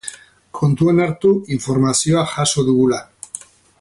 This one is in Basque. Kontuan hartu informazioa jaso dugula.